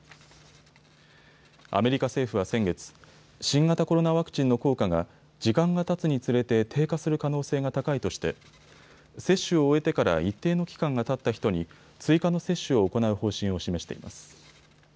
アメリカ政府は先月、新型コロナワクチンの効果が時間がたつにつれて低下する可能性が高いとして接種を終えてから一定の期間がたった人に追加の接種を行う方針を示しています。